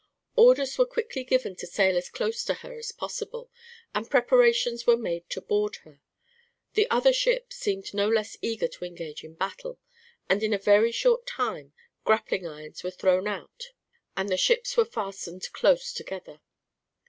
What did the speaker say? Orders were quickly given to sail as close to her as possible, and preparations were made to board her. The other ship seemed no less eager to engage in battle, and in a very short time grappling irons were thrown out and the ships were fastened close together.